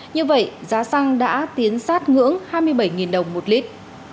như vậy giá xăng đã tiến sát ngưỡng hai mươi bảy đồng một lít